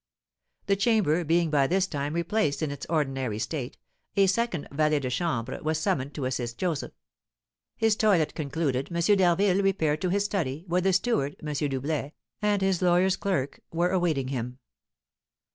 The chamber being by this time replaced in its ordinary state, a second valet de chambre was summoned to assist Joseph. His toilet concluded, M. d'Harville repaired to his study, where the steward (M. Doublet) and his lawyer's clerk were awaiting him.